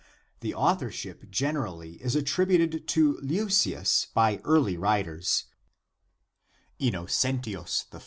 The authorship generally is attributed to Leucius by early writers; Innocentius, L (d.